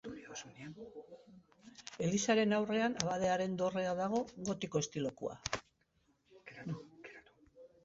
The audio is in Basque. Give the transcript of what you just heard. Elizaren aurrean abadearen dorrea dago, gotiko estilokoa.